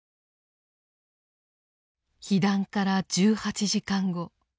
被弾から１８時間後。